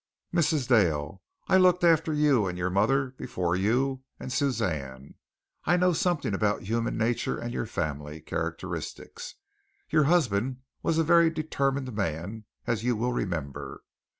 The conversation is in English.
"Mrs. Dale, I looked after you and your mother before you and Suzanne. I know something about human nature and your family characteristics. Your husband was a very determined man, as you will remember.